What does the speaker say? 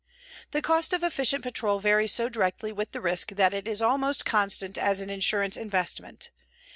The cost of efficient patrol varies so directly with the risk that it is almost constant as an insurance investment.